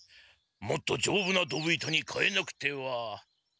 もっとじょうぶな溝板にかえなくては。